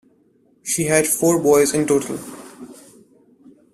She had four boys in total.